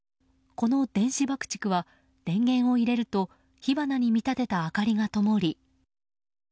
この電子爆竹は電源を入れると火花に見立てた明かりがともり。